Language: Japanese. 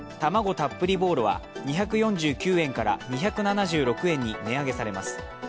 たっぷりぼうろは２４９円から２７６円に値上げされます。